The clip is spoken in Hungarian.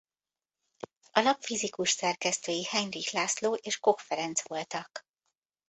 A lap fizikus szerkesztői Heinrich László és Koch Ferenc voltak.